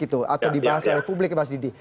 itu atau dibahas oleh publik ya mas didi